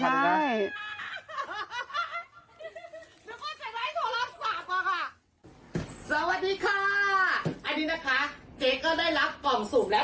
เจ๊ก็ได้รับกล่องสูบแล้ว